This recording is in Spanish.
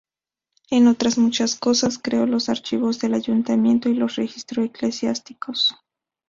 Entre otras muchas cosas, creó los archivos del Ayuntamiento y los registros eclesiásticos.